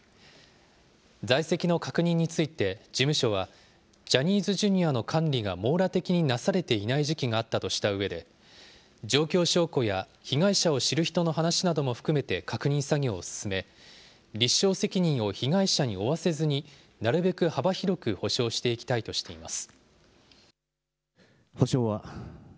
在籍の確認について事務所は、ジャニーズＪｒ．の管理が網羅的になされていない時期があったとして、状況証拠や被害者を知る人の話なども含めて確認作業を進め、立証責任を被害者に負わせずになるべく幅広く補償していきたいとしています。